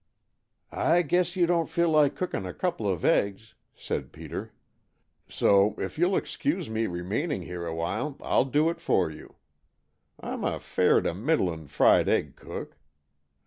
"I guess you don't feel like cooking a couple of eggs," said Peter, "so if you'll excuse me remaining here awhile, I'll do it for you. I'm a fair to middling fried egg cook.